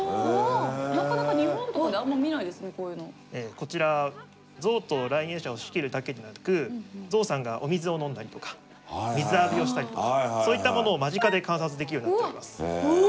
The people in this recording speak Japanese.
こちらゾウと来園者を仕切るだけでなくゾウさんがお水を飲んだりとか水浴びをしたりとかそういったものを間近で観察できるようになっております。